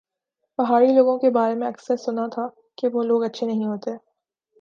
پہاڑی لوگوں کے بارے میں اکثر سنا تھا کہ یہ لوگ اچھے نہیں ہوتے